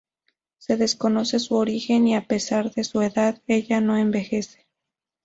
Se desconoce su origen y, a pesar de su edad, ella no envejece.